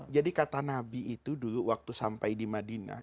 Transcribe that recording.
jadi kata nabi itu dulu waktu sampai di madinah